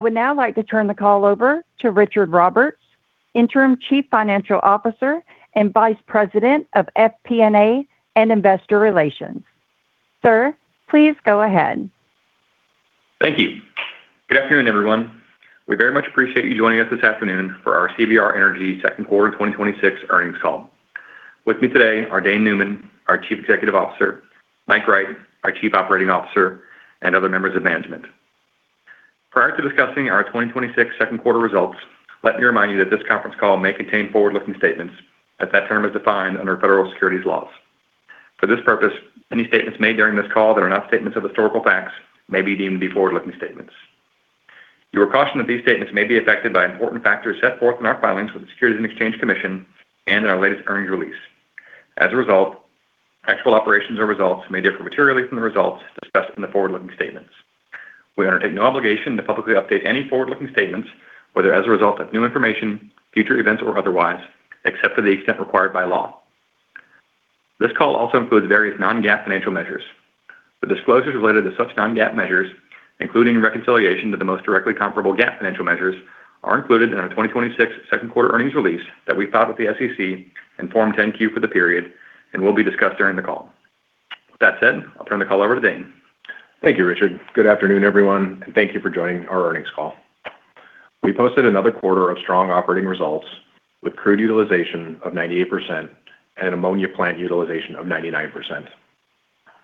Would now like to turn the call over to Richard Roberts, Interim Chief Financial Officer and Vice President of FP&A and Investor Relations. Sir, please go ahead. Thank you. Good afternoon, everyone. We very much appreciate you joining us this afternoon for our CVR Energy second quarter 2026 earnings call. With me today are Dane Neumann, our Chief Executive Officer, Mike Wright, our Chief Operating Officer, and other members of management. Prior to discussing our 2026 second quarter results, let me remind you that this conference call may contain forward-looking statements as that term is defined under federal securities laws. For this purpose, any statements made during this call that are not statements of historical facts may be deemed to be forward-looking statements. You are cautioned that these statements may be affected by important factors set forth in our filings with the Securities and Exchange Commission and in our latest earnings release. As a result, actual operations or results may differ materially from the results as specified in the forward-looking statements. We undertake no obligation to publicly update any forward-looking statements, whether as a result of new information, future events, or otherwise, except to the extent required by law. This call also includes various non-GAAP financial measures. The disclosures related to such non-GAAP measures, including reconciliation to the most directly comparable GAAP financial measures, are included in our 2026 second-quarter earnings release that we filed with the SEC in Form 10-Q for the period and will be discussed during the call. With that said, I'll turn the call over to Dane. Thank you, Richard. Good afternoon, everyone, and thank you for joining our earnings call. We posted another quarter of strong operating results with crude utilization of 98% and an ammonia plant utilization of 99%.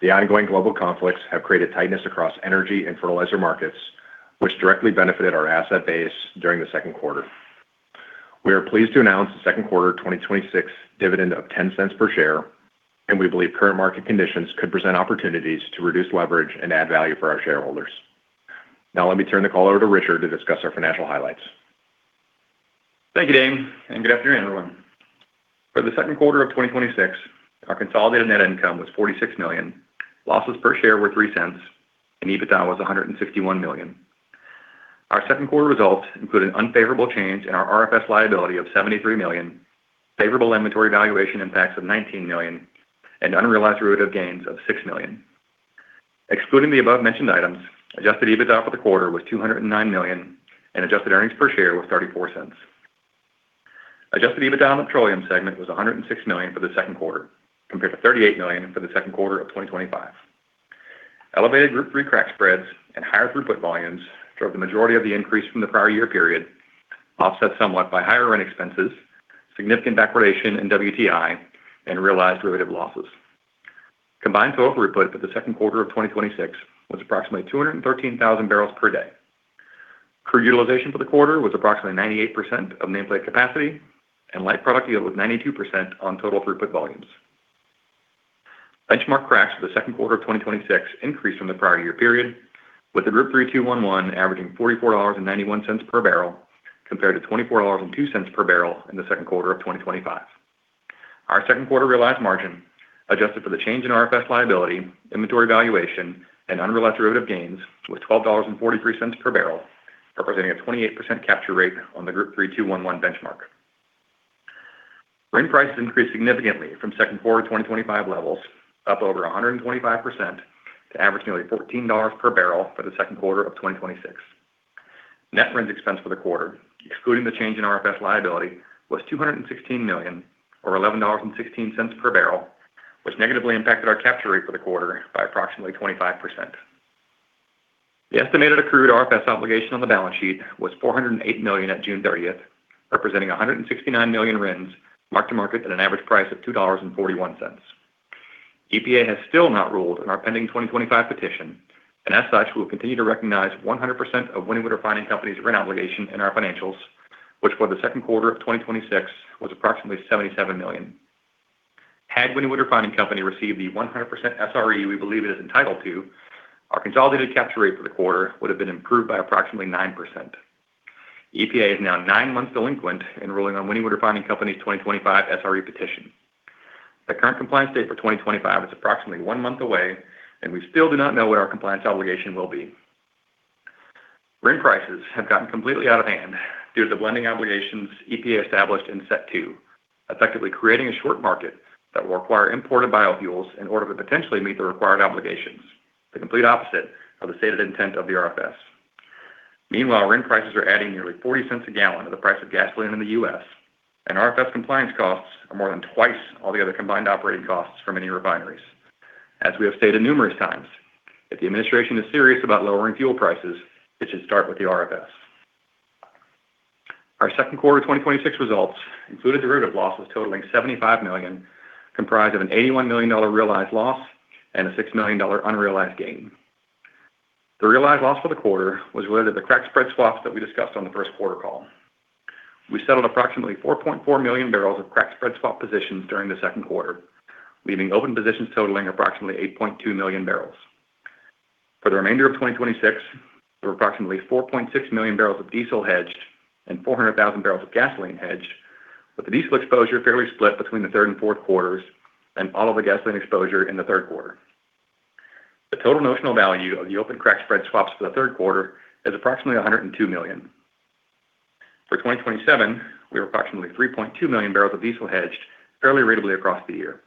The ongoing global conflicts have created tightness across energy and fertilizer markets, which directly benefited our asset base during the second quarter. We are pleased to announce the second quarter 2026 dividend of $0.10 per share, and we believe current market conditions could present opportunities to reduce leverage and add value for our shareholders. Now let me turn the call over to Richard to discuss our financial highlights. Thank you, Dane, and good afternoon, everyone. For the second quarter of 2026, our consolidated net income was $46 million. Losses per share were $0.03. EBITDA was $161 million. Our second-quarter results include an unfavorable change in our RFS liability of $73 million, favorable inventory valuation impacts of $19 million, and unrealized derivative gains of $6 million. Excluding the above-mentioned items, adjusted EBITDA for the quarter was $209 million. Adjusted earnings per share was $0.34. Adjusted EBITDA on the petroleum segment was $106 million for the second quarter, compared to $38 million for the second quarter of 2025. Elevated Group 3 crack spreads and higher throughput volumes drove the majority of the increase from the prior year period, offset somewhat by higher Brent expenses, significant backwardation in WTI, and realized derivative losses. Combined total throughput for the second quarter of 2026 was approximately 213,000 barrels per day. Crude utilization for the quarter was approximately 98% of nameplate capacity. Light product yield was 92% on total throughput volumes. Benchmark cracks for the second quarter of 2026 increased from the prior year period, with the Group 3 2-1-1 averaging $44.91 per barrel, compared to $24.02 per barrel in the second quarter of 2025. Our second quarter realized margin, adjusted for the change in RFS liability, inventory valuation, and unrealized derivative gains, was $12.43 per barrel, representing a 28% capture rate on the Group 3 2-1-1 benchmark. RIN prices increased significantly from second quarter 2025 levels, up over 125% to average nearly $14 per barrel for the second quarter of 2026. Net RINs expense for the quarter, excluding the change in RFS liability, was $216 million, or $11.16 per barrel, which negatively impacted our capture rate for the quarter by approximately 25%. The estimated accrued RFS obligation on the balance sheet was $408 million at June 30th, representing 169 million RINs, mark-to-market at an average price of $2.41. EPA has still not ruled on our pending 2025 petition. As such, we will continue to recognize 100% of Wynnewood Refining Company's RIN obligation in our financials, which for the second quarter of 2026 was approximately $77 million. Had Wynnewood Refining Company received the 100% SRE we believe it is entitled to, our consolidated capture rate for the quarter would have been improved by approximately 9%. EPA is now nine months delinquent in ruling on Wynnewood Refining Company's 2025 SRE petition. The current compliance date for 2025 is approximately one month away. We still do not know what our compliance obligation will be. RIN prices have gotten completely out of hand due to the blending obligations EPA established in Set 2, effectively creating a short market that will require imported biofuels in order to potentially meet the required obligations, the complete opposite of the stated intent of the RFS. Meanwhile, RIN prices are adding nearly $0.40 a gallon to the price of gasoline in the U.S. RFS compliance costs are more than twice all the other combined operating costs for many refineries. As we have stated numerous times, if the administration is serious about lowering fuel prices, it should start with the RFS. Our second quarter 2026 results included derivative losses totaling $75 million, comprised of an $81 million realized loss and a $6 million unrealized gain. The realized loss for the quarter was related to the crack spread swaps that we discussed on the first quarter call. We settled approximately 4.4 million barrels of crack spread swap positions during the second quarter, leaving open positions totaling approximately 8.2 million barrels. For the remainder of 2026, there were approximately 4.6 million barrels of diesel hedged and 400,000 barrels of gasoline hedged, with the diesel exposure fairly split between the third and fourth quarters and all of the gasoline exposure in the third quarter. The total notional value of the open crack spread swaps for the third quarter is approximately $102 million. For 2027, we are approximately 3.2 million barrels of diesel hedged fairly ratably across the year.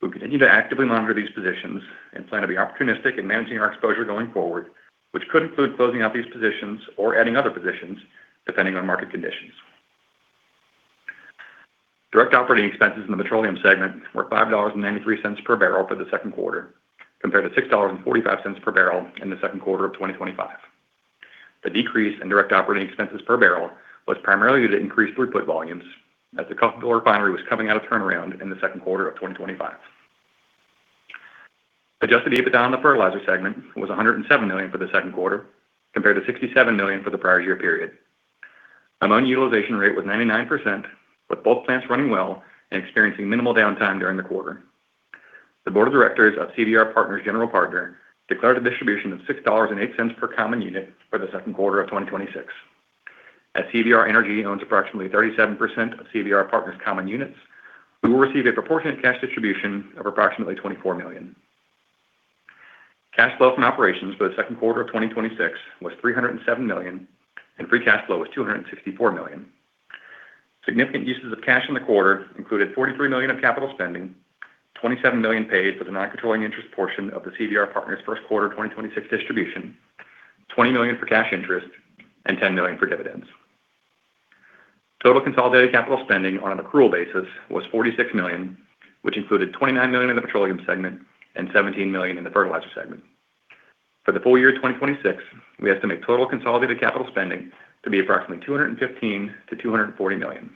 We'll continue to actively monitor these positions and plan to be opportunistic in managing our exposure going forward, which could include closing out these positions or adding other positions depending on market conditions. Direct operating expenses in the petroleum segment were $5.93 per barrel for the second quarter, compared to $6.45 per barrel in the second quarter of 2025. The decrease in direct operating expenses per barrel was primarily due to increased throughput volumes as the Coffeyville Refinery was coming out of turnaround in the second quarter of 2025. Adjusted EBITDA in the fertilizer segment was $107 million for the second quarter, compared to $67 million for the prior year period. Ammonia utilization rate was 99%, with both plants running well and experiencing minimal downtime during the quarter. The board of directors of CVR Partners General Partner declared a distribution of $6.08 per common unit for the second quarter of 2026. As CVR Energy owns approximately 37% of CVR Partners common units, we will receive a proportionate cash distribution of approximately $24 million. Cash flow from operations for the second quarter of 2026 was $307 million, and free cash flow was $264 million. Significant uses of cash in the quarter included $43 million of capital spending, $27 million paid for the non-controlling interest portion of the CVR Partners first quarter 2026 distribution, $20 million for cash interest, and $10 million for dividends. Total consolidated capital spending on an accrual basis was $46 million, which included $29 million in the petroleum segment and $17 million in the fertilizer segment. For the full year 2026, we estimate total consolidated capital spending to be approximately $215 million to $240 million.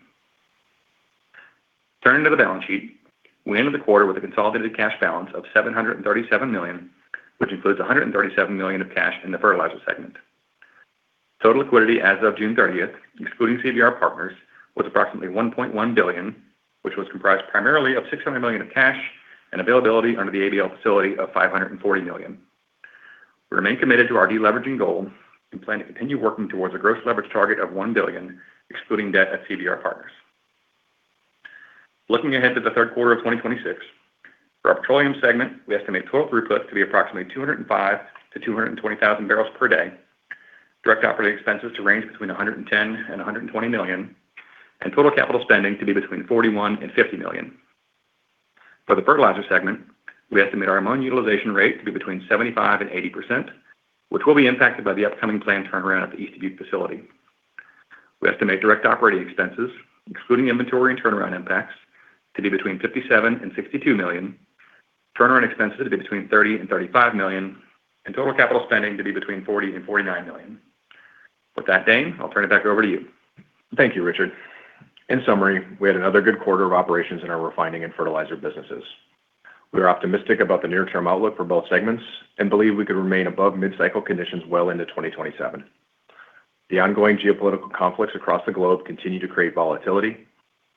Turning to the balance sheet, we ended the quarter with a consolidated cash balance of $737 million, which includes $137 million of cash in the fertilizer segment. Total liquidity as of June 30th, excluding CVR Partners, was approximately $1.1 billion, which was comprised primarily of $600 million of cash and availability under the ABL facility of $540 million. We remain committed to our deleveraging goal and plan to continue working towards a gross leverage target of $1 billion, excluding debt at CVR Partners. Looking ahead to the third quarter of 2026, for our petroleum segment, we estimate total throughput to be approximately 205,000 to 220,000 barrels per day, direct operating expenses to range between $110 million and $120 million, and total capital spending to be between $41 million and $50 million. For the fertilizer segment, we estimate our ammonia utilization rate to be between 75%-80%, which will be impacted by the upcoming planned turnaround at the East Dubuque facility. We estimate direct operating expenses, excluding inventory and turnaround impacts, to be between $57 million-$62 million, turnaround expenses to be between $30 million-$35 million, and total capital spending to be between $40 million-$49 million. With that, Dane, I'll turn it back over to you. Thank you, Richard. In summary, we had another good quarter of operations in our refining and fertilizer businesses. We are optimistic about the near-term outlook for both segments and believe we could remain above mid-cycle conditions well into 2027. The ongoing geopolitical conflicts across the globe continue to create volatility.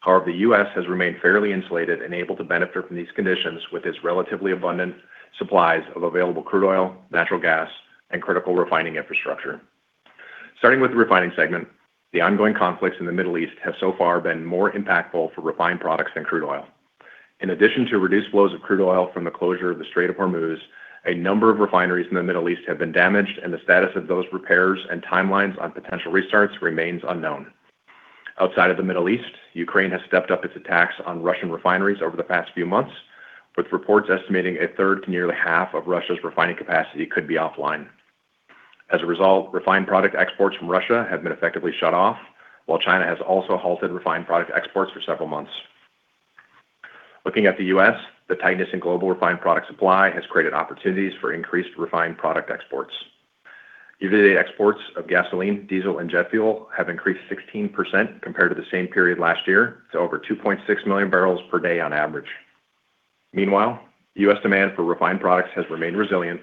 However, the U.S. has remained fairly insulated and able to benefit from these conditions with its relatively abundant supplies of available crude oil, natural gas, and critical refining infrastructure. Starting with the refining segment, the ongoing conflicts in the Middle East have so far been more impactful for refined products than crude oil. In addition to reduced flows of crude oil from the closure of the Strait of Hormuz, a number of refineries in the Middle East have been damaged, and the status of those repairs and timelines on potential restarts remains unknown. Outside of the Middle East, Ukraine has stepped up its attacks on Russian refineries over the past few months, with reports estimating a third to nearly half of Russia's refining capacity could be offline. As a result, refined product exports from Russia have been effectively shut off, while China has also halted refined product exports for several months. Looking at the U.S., the tightness in global refined product supply has created opportunities for increased refined product exports. Year-to-date exports of gasoline, diesel, and jet fuel have increased 16% compared to the same period last year to over 2.6 million barrels per day on average. Meanwhile, U.S. demand for refined products has remained resilient,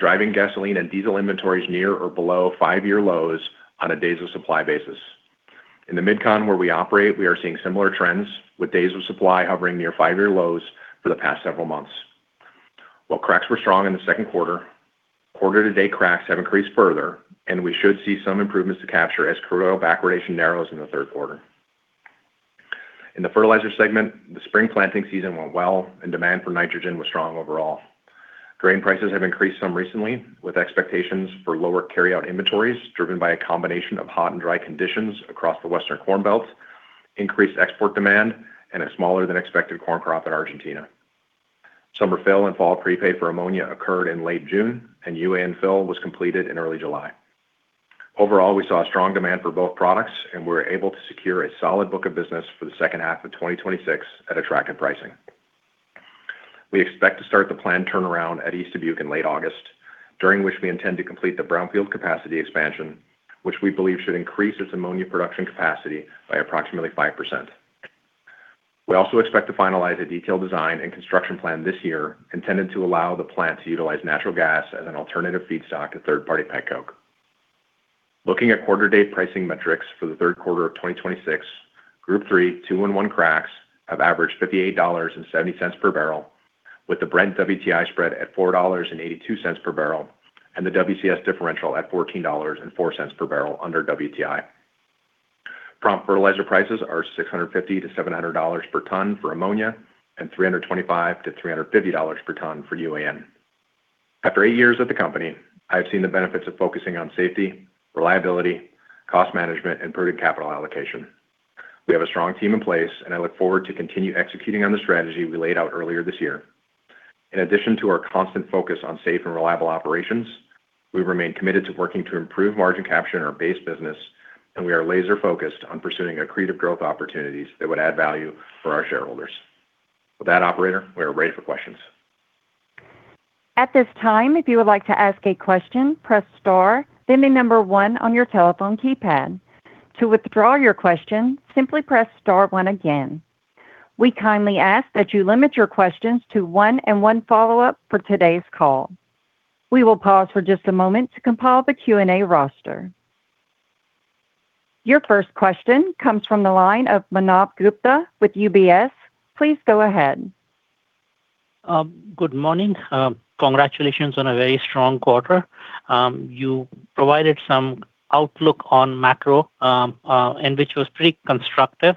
driving gasoline and diesel inventories near or below five-year lows on a days of supply basis. In the MidCon, where we operate, we are seeing similar trends, with days of supply hovering near five-year lows for the past several months. While cracks were strong in the second quarter-to-date cracks have increased further, and we should see some improvements to capture as crude oil backwardation narrows in the third quarter. In the fertilizer segment, the spring planting season went well, and demand for nitrogen was strong overall. Grain prices have increased some recently, with expectations for lower carryout inventories driven by a combination of hot and dry conditions across the Western Corn Belt, increased export demand, and a smaller-than-expected corn crop in Argentina. Summer fill and fall prepay for ammonia occurred in late June, and UAN fill was completed in early July. Overall, we saw strong demand for both products, and we were able to secure a solid book of business for the second half of 2026 at attractive pricing. We expect to start the planned turnaround at East Dubuque in late August, during which we intend to complete the brownfield capacity expansion, which we believe should increase its ammonia production capacity by approximately 5%. We also expect to finalize a detailed design and construction plan this year intended to allow the plant to utilize natural gas as an alternative feedstock to third-party petcoke. Looking at quarter-date pricing metrics for the third quarter of 2026, Group 3 2-1-1 cracks have averaged $58.70 per barrel, with the Brent WTI spread at $4.82 per barrel and the WCS differential at $14.04 per barrel under WTI. Prompt fertilizer prices are $650 to $700 per ton for ammonia and $325 to $350 per ton for UAN. After eight years with the company, I have seen the benefits of focusing on safety, reliability, cost management, and prudent capital allocation. We have a strong team in place, and I look forward to continue executing on the strategy we laid out earlier this year. In addition to our constant focus on safe and reliable operations, we remain committed to working to improve margin capture in our base business, and we are laser-focused on pursuing accretive growth opportunities that would add value for our shareholders. With that, operator, we are ready for questions. At this time, if you would like to ask a question, press star, then the number one on your telephone keypad. To withdraw your question, simply press star one again. We kindly ask that you limit your questions to one and one follow-up for today's call. We will pause for just a moment to compile the Q&A roster. Your first question comes from the line of Manav Gupta with UBS. Please go ahead. Good morning. Congratulations on a very strong quarter. You provided some outlook on macro, and which was pretty constructive.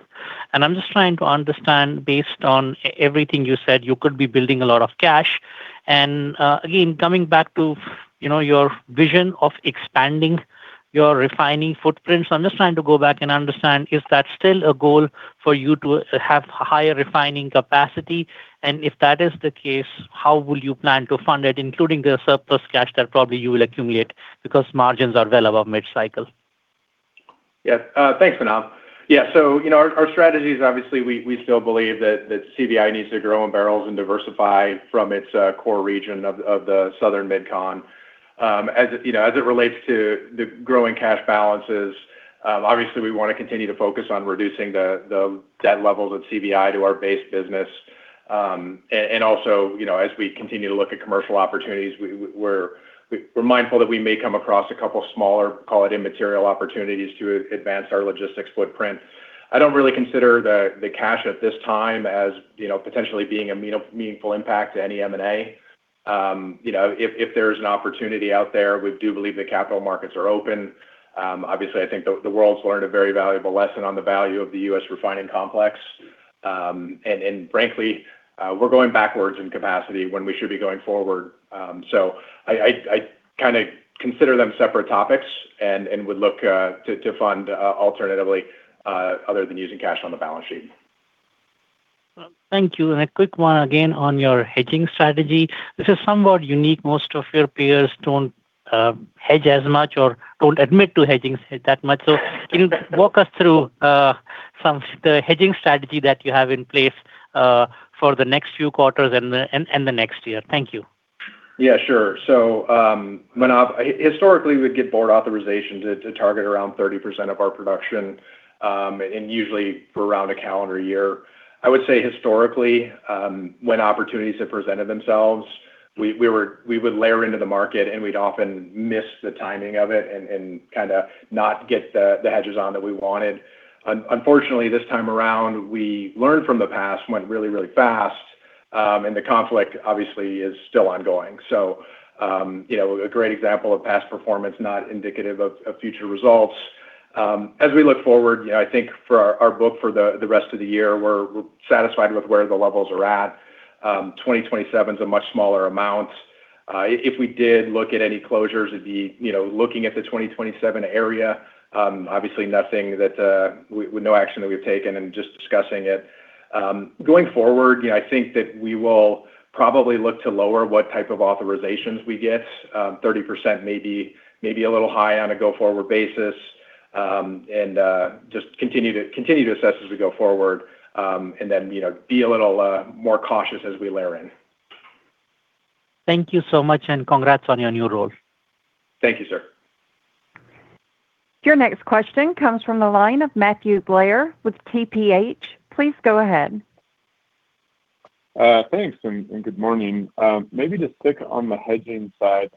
I'm just trying to understand, based on everything you said, you could be building a lot of cash and, again, coming back to your vision of expanding your refining footprints. I'm just trying to go back and understand, is that still a goal for you to have higher refining capacity? If that is the case, how will you plan to fund it, including the surplus cash that probably you will accumulate because margins are well above mid-cycle? Thanks, Manav. Our strategy is obviously we still believe that CVI needs to grow in barrels and diversify from its core region of the Southern MidCon. As it relates to the growing cash balances, obviously we want to continue to focus on reducing the debt levels of CVI to our base business. Also, as we continue to look at commercial opportunities, we're mindful that we may come across a couple of smaller, call it immaterial opportunities to advance our logistics footprint. I don't really consider the cash at this time as potentially being a meaningful impact to any M&A. If there's an opportunity out there, we do believe the capital markets are open. Obviously, I think the world's learned a very valuable lesson on the value of the U.S. refining complex. Frankly, we're going backwards in capacity when we should be going forward. I kind of consider them separate topics and would look to fund alternatively other than using cash on the balance sheet. Thank you. A quick one again on your hedging strategy. This is somewhat unique. Most of your peers don't hedge as much or don't admit to hedging that much. Can you walk us through the hedging strategy that you have in place for the next few quarters and the next year? Thank you. Sure. Manav, historically, we'd get board authorization to target around 30% of our production, usually for around a calendar year. I would say historically, when opportunities have presented themselves, we would layer into the market we'd often miss the timing of it kind of not get the hedges on that we wanted. Unfortunately, this time around, we learned from the past, went really, really fast, the conflict obviously is still ongoing. A great example of past performance, not indicative of future results. As we look forward, I think for our book for the rest of the year, we're satisfied with where the levels are at. 2027 is a much smaller amount. If we did look at any closures, it'd be looking at the 2027 area. Obviously no action that we've taken and just discussing it. Going forward, I think that we will probably look to lower what type of authorizations we get. 30% may be a little high on a go-forward basis, and just continue to assess as we go forward, and then be a little more cautious as we layer in. Thank you so much, and congrats on your new role. Thank you, sir. Your next question comes from the line of Matthew Blair with TPH. Please go ahead. Thanks. Good morning. Maybe to stick on the hedging side.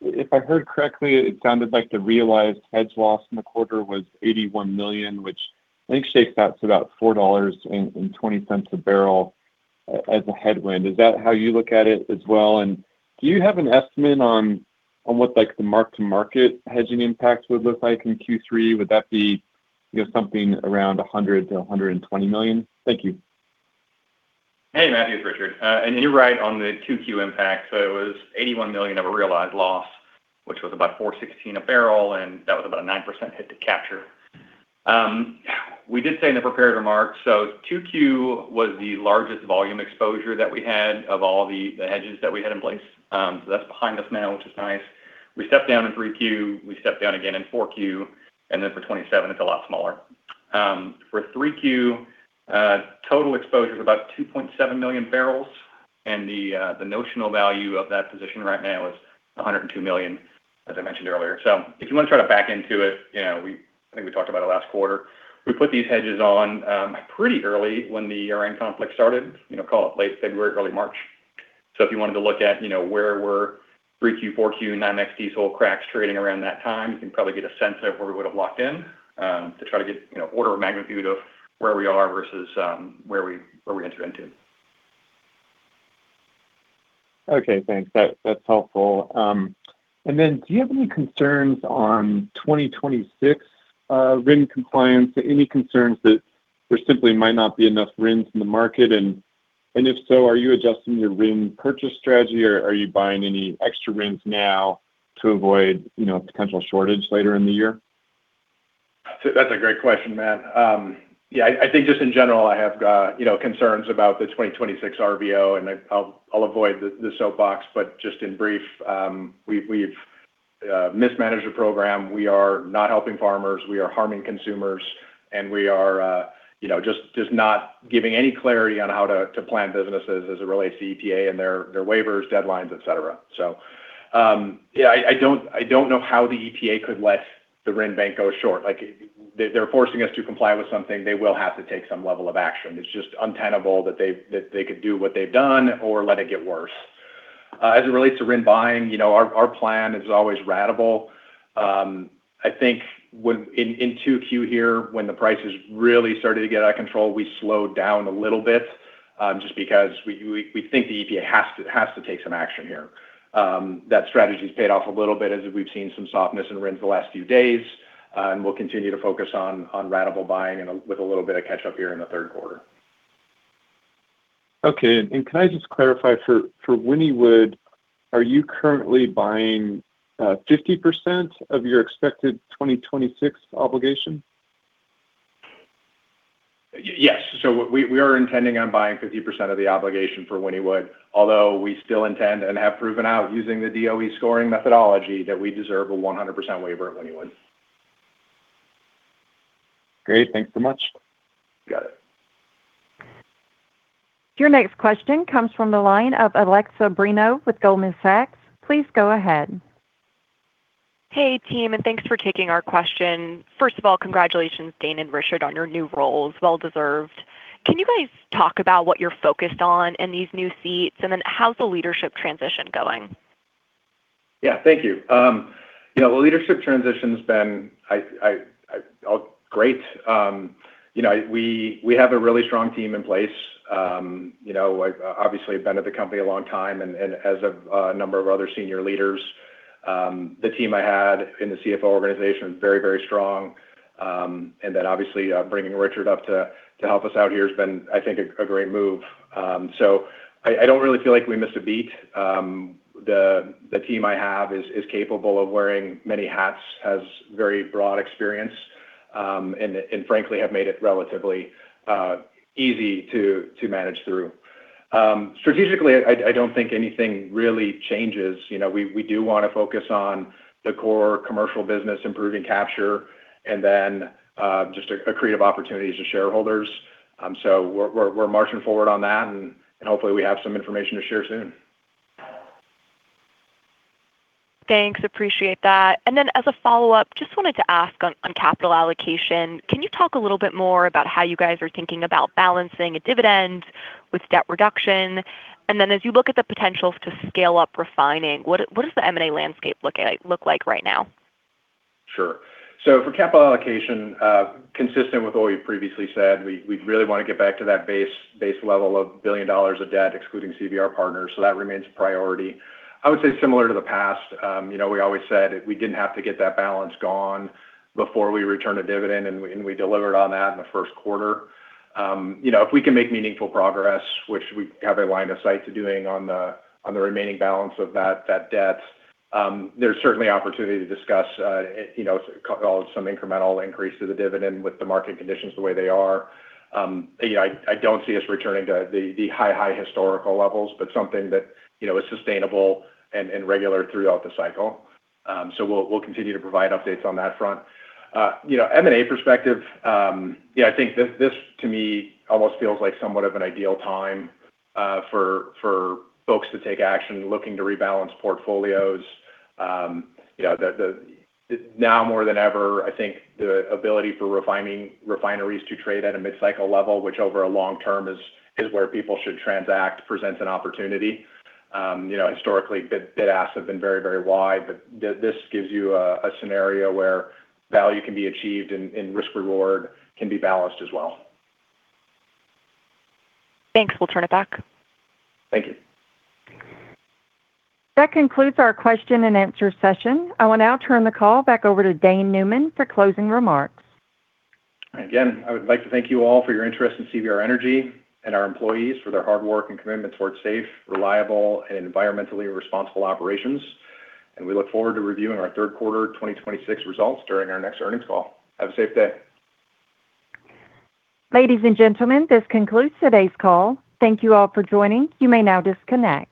If I heard correctly, it sounded like the realized hedge loss in the quarter was $81 million, which I think shakes out to about $4.20 a barrel as a headwind. Is that how you look at it as well? Do you have an estimate on what the mark-to-market hedging impact would look like in Q3? Would that be something around $100 million to $120 million? Thank you. Hey, Matthew. It's Richard. You're right on the 2Q impact. It was $81 million of a realized loss, which was about $4.16 a barrel, and that was about a 9% hit to capture. We did say in the prepared remarks, 2Q was the largest volume exposure that we had of all the hedges that we had in place. That's behind us now, which is nice. We stepped down in 3Q, we stepped down again in 4Q. For 2027, it's a lot smaller. For 3Q, total exposure is about 2.7 million barrels, and the notional value of that position right now is $102 million, as I mentioned earlier. If you want to try to back into it, I think we talked about it last quarter. We put these hedges on pretty early when the Ukraine conflict started, call it late February, early March. If you wanted to look at where were 3Q, 4Q, diesel cracks trading around that time, you can probably get a sense of where we would have locked in to try to get order of magnitude of where we are versus where we entered into. Okay, thanks. That's helpful. Do you have any concerns on 2026 RIN compliance? Any concerns that there simply might not be enough RINs in the market? If so, are you adjusting your RIN purchase strategy, or are you buying any extra RINs now to avoid potential shortage later in the year? That's a great question, Matt. Yeah, I think just in general, I have concerns about the 2026 RVO, and I'll avoid the soapbox, but just in brief, we've mismanaged the program. We are not helping farmers, we are harming consumers, and we are just not giving any clarity on how to plan businesses as it relates to EPA and their waivers, deadlines, et cetera. I don't know how the EPA could let the RIN bank go short. They're forcing us to comply with something, they will have to take some level of action. It's just untenable that they could do what they've done or let it get worse. As it relates to RIN buying, our plan is always ratable. I think in 2Q here, when the prices really started to get out of control, we slowed down a little bit, just because we think the EPA has to take some action here. That strategy's paid off a little bit as we've seen some softness in RINs the last few days. We'll continue to focus on ratable buying with a little bit of catch-up here in the third quarter. Okay. Can I just clarify for Wynnewood, are you currently buying 50% of your expected 2026 obligation? Yes. We are intending on buying 50% of the obligation for Wynnewood, although we still intend, and have proven out using the DOE scoring methodology, that we deserve a 100% waiver at Wynnewood. Great. Thanks so much. Got it. Your next question comes from the line of Alexa Petrick with Goldman Sachs. Please go ahead. Hey, team, thanks for taking our question. First of all, congratulations, Dane and Richard, on your new roles. Well deserved. Can you guys talk about what you're focused on in these new seats, and then how's the leadership transition going? Yeah, thank you. The leadership transition's been great. We have a really strong team in place. I obviously have been at the company a long time, and as have a number of other senior leaders. The team I had in the CFO organization is very, very strong. Obviously, bringing Richard up to help us out here has been, I think, a great move. I don't really feel like we missed a beat. The team I have is capable of wearing many hats, has very broad experience, and frankly, have made it relatively easy to manage through. Strategically, I don't think anything really changes. We do want to focus on the core commercial business, improving capture, and then just accretive opportunities to shareholders. We're marching forward on that, and hopefully we have some information to share soon. Thanks. Appreciate that. As a follow-up, just wanted to ask on capital allocation, can you talk a little bit more about how you guys are thinking about balancing a dividend with debt reduction? As you look at the potentials to scale up refining, what does the M&A landscape look like right now? Sure. For capital allocation, consistent with what we've previously said, we really want to get back to that base level of $1 billion of debt, excluding CVR Partners. That remains a priority. I would say similar to the past, we always said we didn't have to get that balance gone before we return a dividend, and we delivered on that in the first quarter. If we can make meaningful progress, which we have a line of sight to doing on the remaining balance of that debt, there's certainly opportunity to discuss some incremental increase to the dividend with the market conditions the way they are. I don't see us returning to the high historical levels, but something that is sustainable and regular throughout the cycle. We'll continue to provide updates on that front. M&A perspective, yeah, I think this, to me, almost feels like somewhat of an ideal time for folks to take action, looking to rebalance portfolios. Now more than ever, I think the ability for refineries to trade at a mid-cycle level, which over a long term is where people should transact, presents an opportunity. Historically, bid-asks have been very wide, this gives you a scenario where value can be achieved and risk-reward can be balanced as well. Thanks. We'll turn it back. Thank you. That concludes our question and answer session. I will now turn the call back over to Dane Neumann for closing remarks. Again, I would like to thank you all for your interest in CVR Energy and our employees for their hard work and commitment towards safe, reliable, and environmentally responsible operations. We look forward to reviewing our third quarter 2026 results during our next earnings call. Have a safe day. Ladies and gentlemen, this concludes today's call. Thank you all for joining. You may now disconnect.